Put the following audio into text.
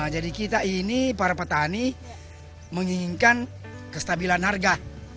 jadi kita ini para petani menginginkan kestabilan harga